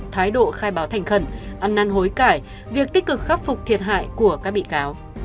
thái độ khai báo thành khẩn ăn năn hối cải việc tích cực khắc phục thiệt hại của các bị cáo